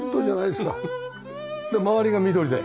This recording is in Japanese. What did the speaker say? で周りが緑で。